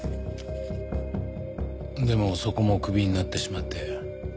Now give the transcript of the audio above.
でもそこもクビになってしまって。